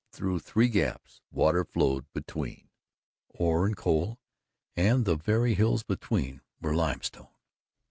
Through three gaps water flowed between ore and coal and the very hills between were limestone.